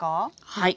はい。